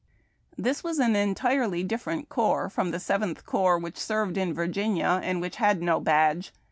This was an entirely different corps from the Seventh Corps, whicli served in Virginia, and which had no badge.